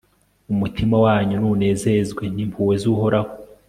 umutima wanyu nunezezwe n'impuhwe z'uhoraho